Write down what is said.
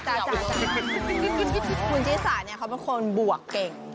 คุณจี๊สาเขาเป็นคนบวกเก่ง